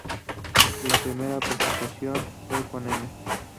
La primera presentación fue en "M!